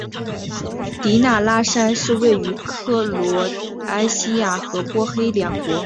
迪纳拉山是位于克罗埃西亚和波黑两国交界处的一座山峰。